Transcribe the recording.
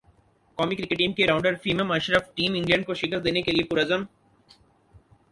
قومی cricket team کے rounder Faheem Ashraf team England کو شکست دینے کے لیئے پر عزم